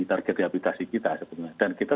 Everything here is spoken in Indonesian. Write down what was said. target rehabilitasi kita sebenarnya dan kita